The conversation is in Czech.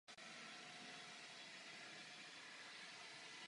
Za Napoleonských válek se zúčastnil mnoha bojů včetně Bitvy u Lipska.